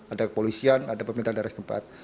ada kepolisian ada pemerintah dari tempat